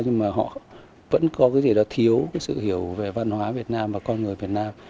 nhưng mà họ vẫn có cái gì đó thiếu cái sự hiểu về văn hóa việt nam và con người việt nam